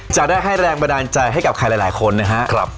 จะได้ให้แรงบันดาลใจให้กับใครหลายคนนะครับ